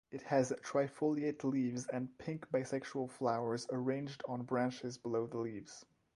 It has trifoliate leaves and pink bisexual flowers arranged on branches below the leaves.